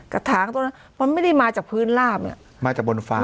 ถางตรงนั้นมันไม่ได้มาจากพื้นลาบเนี่ยมาจากบนฟ้า